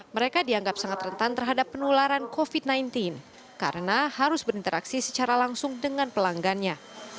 mereka dianggap sangat rentan terhadap penularan covid sembilan belas karena harus berinteraksi secara langsung dengan pelanggannya